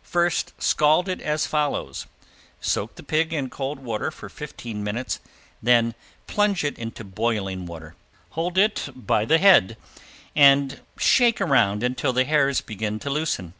First, scald it as follows: Soak the pig in cold water for fifteen minutes, then plunge it into boiling water. Hold it by the head and shake around until the hairs begin to loosen.